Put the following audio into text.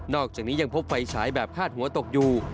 อกจากนี้ยังพบไฟฉายแบบคาดหัวตกอยู่